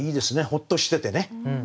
ほっとしててね。